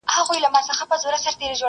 او شاباس درباندي اوري